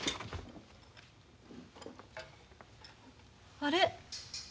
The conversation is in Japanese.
あれ？